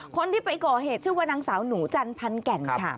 คนที่ไปก่อเหตุชื่อว่านางสาวหนูจันพันแก่นค่ะ